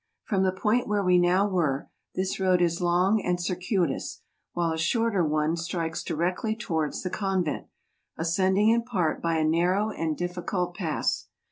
From the point where we now were, this road is long and circuitous; while a shorter one strikes directly towards the convent, ascending in part by a narrow and difficult pass.